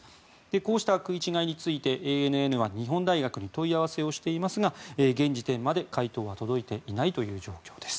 こうした食い違いについてＡＮＮは日本大学に問い合わせをしていますが現時点まで回答は届いていない状況です。